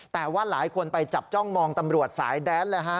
แต่ว่าหลายคนไปจับจ้องมองตำรวจสายแดนแล้วฮะ